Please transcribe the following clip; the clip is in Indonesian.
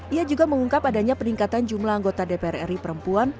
ia juga mengungkap adanya peningkatan jumlah anggota dpr ri perempuan